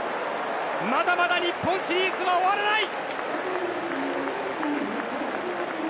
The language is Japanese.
まだまだ日本シリーズは終わらない！